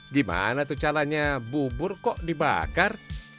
gimana tuh caranya bubur kok dibakar